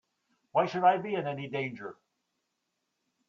Why should I be in any danger?